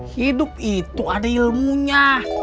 hidup itu ada ilmunya